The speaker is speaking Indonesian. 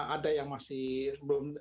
ada yang masih belum